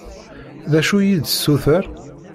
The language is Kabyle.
D acu i yi-d-tessuter?